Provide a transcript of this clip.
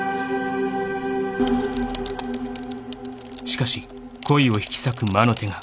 ［しかし恋を引き裂く魔の手が］